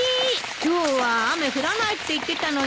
今日は雨降らないって言ってたのに。